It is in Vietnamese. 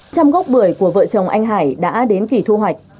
trăm gốc bưởi của vợ chồng anh hải đã đến kỳ thu hoạch